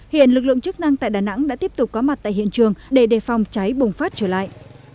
hiện lực lượng chức năng tại đà nẵng đã tiếp tục có mặt tại hiện trường để đề phòng cháy bùng phát trở lại